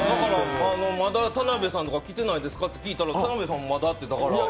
まだ田辺さんとか来てないですかって聞いたら田辺さんもまだって。